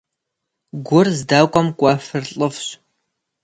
Гур здэкӀуэм кӀуэфыр лӀыфӀщ.